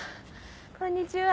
こんにちは。